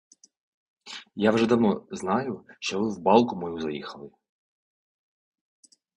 Я вже давно знаю, що ви в балку мою заїхали.